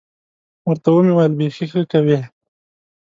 ورته ومې ویل بيخي ښه کوې.